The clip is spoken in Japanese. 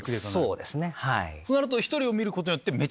そうですね。